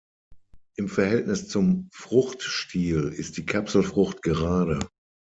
Im Verhältnis zum Fruchtstiel ist die Kapselfrucht gerade.